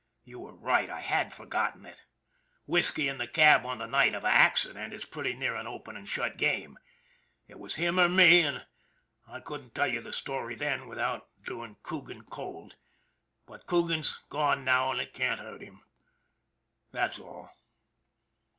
You were right, I had forgotten it. Whisky in the cab on the night of an accident is pretty near an open and shut game. It was him or me, and I couldn't tell you the story then without doing Coogan cold, but Coogan's gone now and it can't hurt him. That's all."